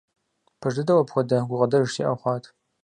Пэж дыдэу апхуэдэ гукъыдэж сиӀэ хъуат.